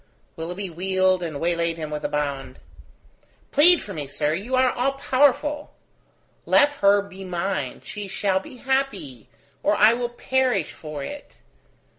Willoughby wheeled and waylaid him with a bound. "Plead for me, sir; you are all powerful. Let her be mine, she shall be happy, or I will perish for it.